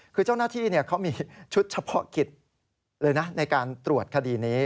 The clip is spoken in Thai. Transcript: คือเจ้าหน้าที่เขามีชุดเฉพาะกิจเลยนะในการตรวจคดีนี้